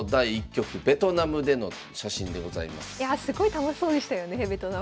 いやすごい楽しそうでしたよねベトナム。